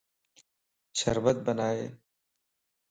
شربت بنائي